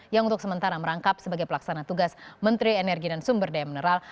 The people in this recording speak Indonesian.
yang untuk sementara merangkap sebagai pelaksana tugas menteri energi dan sumber daya mineral